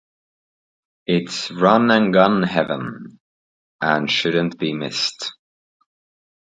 This is run-n-gun heaven and shouldn't be missed.